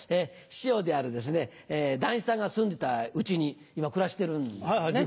師匠である談志さんが住んでた家に今暮らしてるんですよね？